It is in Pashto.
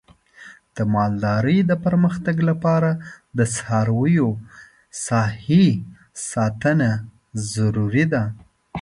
د مالدارۍ د پرمختګ لپاره د څارویو صحي ساتنه ضروري ده.